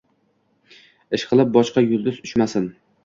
Ishqilib, boshqa yulduz uchmasin!